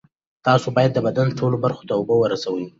تاسو باید د بدن ټولو برخو ته اوبه ورسوي.